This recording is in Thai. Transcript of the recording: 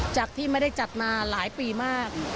จากที่ไม่ได้จัดมาหลายปีมาก